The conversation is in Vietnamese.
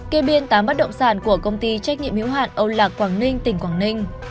kê biên tám bất động sản của công ty trách nhiệm hữu hạn âu lạc quảng ninh tỉnh quảng ninh